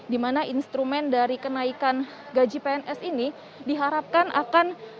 di mana instrumen dari kenaikan gaji pns ini diharapkan akan